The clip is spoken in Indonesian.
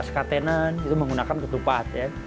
ada skatenan itu menggunakan ketupat